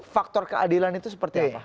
faktor keadilan itu seperti apa